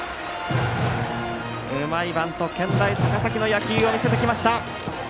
うまいバント、健大高崎の野球を見せてきました。